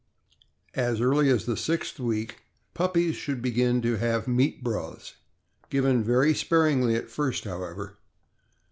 As early as the sixth week, puppies should begin to have meat broths, given very sparingly at first, however.